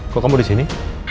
kok kamu disini